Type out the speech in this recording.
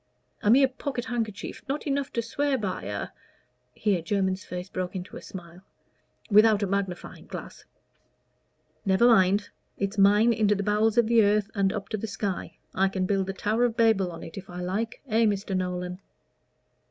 "A mere pocket handkerchief, not enough to swear by a " here Jermyn's face broke into a smile "without a magnifying glass." "Never mind. It's mine into the bowels of the earth and up to the sky. I can build the Tower of Babel on it if I like eh, Mr. Nolan?"